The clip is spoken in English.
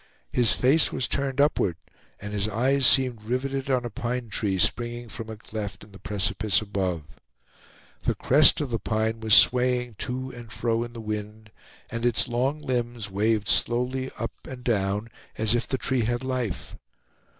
His face was turned upward, and his eyes seemed riveted on a pine tree springing from a cleft in the precipice above. The crest of the pine was swaying to and fro in the wind, and its long limbs waved slowly up and down, as if the tree had life.